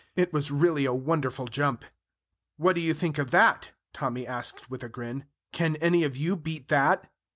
It was really a wonderful jump. "What do you think of that?" Tommy asked with a grin. "Can any of you beat that?"